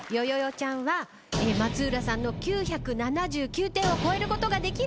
ちゃんは松浦さんの９７９点を超えることができるのでしょうか？